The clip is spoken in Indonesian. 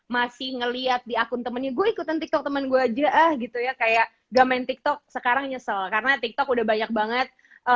masih ngeliat di akun temennya gue ikutan tiktok temen gue aja ah gitu ya kayak gak main tiktok sekarang nyesel karena tiktok udah banyak banget